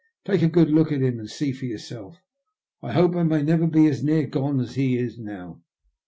" Take a good look at him and see for yourself. I hope I may never be as near gone as he is now."